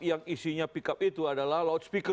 yang isinya pickup itu adalah loudspeaker